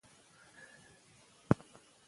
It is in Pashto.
که پوه سو، نو د غلطو خوشو پیغامونو سره به مخامخ نسو.